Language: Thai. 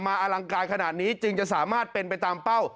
อลังการขนาดนี้จึงจะสามารถเป็นไปตามเป้า